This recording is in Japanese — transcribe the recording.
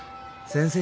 先生。